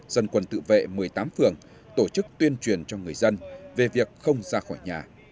dân quân tự vệ một mươi tám phường tổ chức tuyên truyền cho người dân về việc không ra khỏi nhà